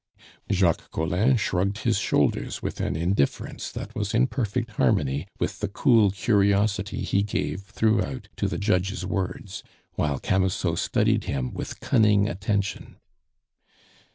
Jacques Collin shrugged his shoulders with an indifference that was in perfect harmony with the cool curiosity he gave throughout to the judge's words, while Camusot studied him with cunning attention.